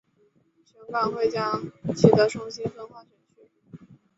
选管会将启德重新分划选区。